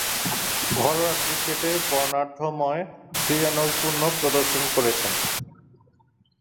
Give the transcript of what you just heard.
ঘরোয়া ক্রিকেটে বর্ণাঢ্যময় ক্রীড়ানৈপুণ্য প্রদর্শন করেছেন।